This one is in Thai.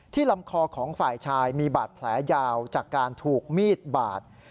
ลำคอของฝ่ายชายมีบาดแผลยาวจากการถูกมีดบาด